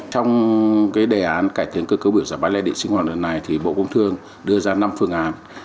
trong đề án cải thiện cơ cấu biểu giá bán lẻ điện sinh hoạt này bộ công thương đưa ra năm phương án